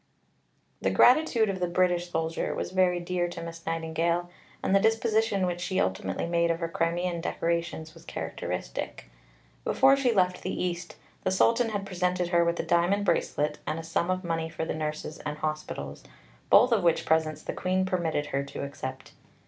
The gratitude of the British soldier was very dear to Miss Nightingale, and the disposition which she ultimately made of her Crimean decorations was characteristic. Before she left the East, the Sultan had presented her with a diamond bracelet and a sum of money for the nurses and hospitals, both of which presents the Queen permitted her to accept.